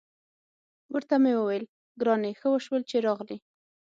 ورته مې وویل: ګرانې، ښه وشول چې راغلې.